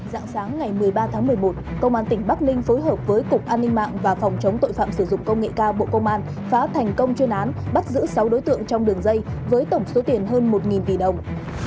dạng sáng ngày một mươi ba tháng một mươi một công an tỉnh bắc ninh phối hợp với cục an ninh mạng và phòng chống tội phạm sử dụng công nghệ cao bộ công an phá thành công chuyên án bắt giữ sáu đối tượng trong đường dây với tổng số tiền hơn một tỷ đồng